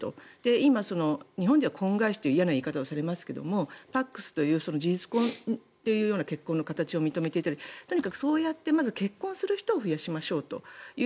今、日本では婚外子という嫌な言い方をされますがパックスという事実婚という結婚の形を認めていたりとにかくそうやってまず、結婚する人を増やしましょうと。